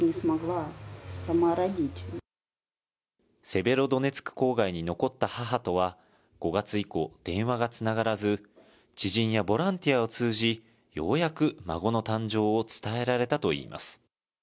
セベロドネツク郊外に残った母とは、５月以降、電話がつながらず、知人やボランティアを通じ、ようやく孫の誕生を伝えられたといいます。